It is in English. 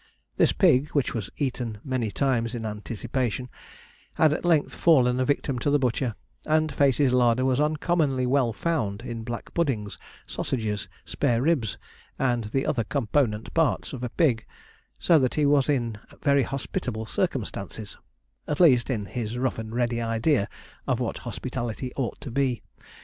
This pig, which was eaten many times in anticipation, had at length fallen a victim to the butcher, and Facey's larder was uncommonly well found in black puddings, sausages, spare ribs, and the other component parts of a pig: so that he was in very hospitable circumstances at least, in his rough and ready idea of what hospitality ought to be.